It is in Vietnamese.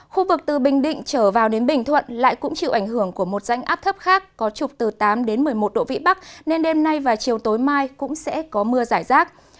khu vực từ bình định trở vào đến bình thuận lại cũng chịu ảnh hưởng của một rãnh áp thấp khác có trục từ tám đến một mươi một độ vị bắc nên đêm nay và chiều tối mai cũng sẽ có mưa giải rác